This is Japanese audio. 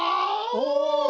お！